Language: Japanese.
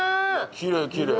きれいきれい。